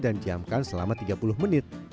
dan diamkan selama tiga puluh menit